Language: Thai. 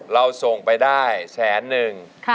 เราส่งไปได้แสนนึง